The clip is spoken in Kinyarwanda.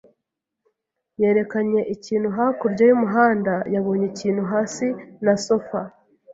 yerekanye ikintu hakurya y'umuhanda. yabonye ikintu hasi na sofa.